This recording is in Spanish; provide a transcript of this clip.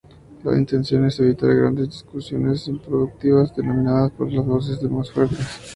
La intención es evitar grandes discusiones improductivas, dominadas por las voces más fuertes.